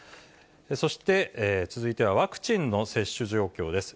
そして続いてはワクチンの接種状況です。